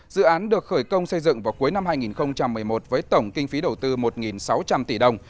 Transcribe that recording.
dự án được khởi công xây dựng vào cuối năm hai nghìn một mươi một với tổng kinh phí đầu tư một sáu trăm linh tỷ đồng